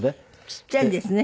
ちっちゃいんですね。